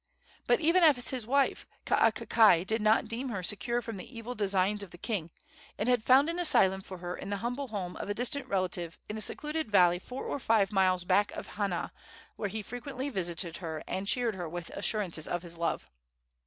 But, even as his wife, Kaakakai did not deem her secure from the evil designs of the king, and had found an asylum for her in the humble home of a distant relative in a secluded valley four or five miles back of Hana, where he frequently visited her and cheered her with assurances of his love.